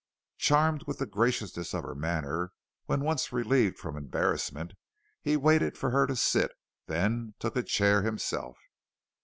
Charmed with the graciousness of her manner when once relieved from embarrassment, he waited for her to sit and then took a chair himself.